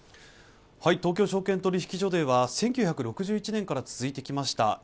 東京証券取引所では１９６１年から続いてきました